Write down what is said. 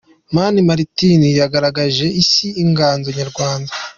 Mani Marite yagaragarije isi inganzo nyarwanda